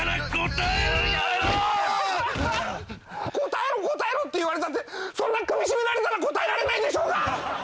「答えろ答えろ」って言われたってそんな首絞められたら答えられないでしょうが！